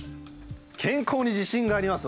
「健康に自信があります